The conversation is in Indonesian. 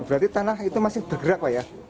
berarti tanah itu masih bergerak pak ya